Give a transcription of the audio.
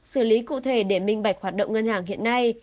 xử lý cụ thể để minh bạch hoạt động ngân hàng hiện nay